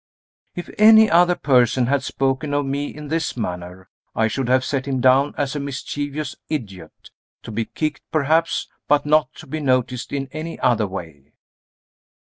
If any other person had spoken of me in this manner, I should have set him down as a mischievous idiot to be kicked perhaps, but not to be noticed in any other way.